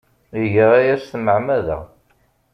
Iga aya s tmeɛmada.